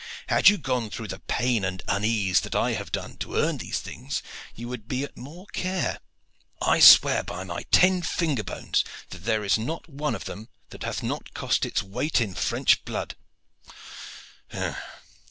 Had you gone through the pain and unease that I have done to earn these things you would be at more care. I swear by my ten finger bones that there is not one of them that hath not cost its weight in French blood!